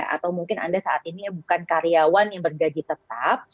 atau mungkin anda saat ini bukan karyawan yang bergaji tetap